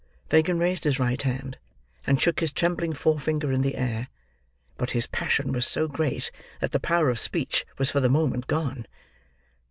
Fagin raised his right hand, and shook his trembling forefinger in the air; but his passion was so great, that the power of speech was for the moment gone.